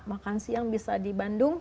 makan siang bisa di bandung